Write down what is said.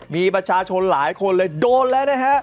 มีประชาชนหลายคนเลยโดนแล้วนะฮะ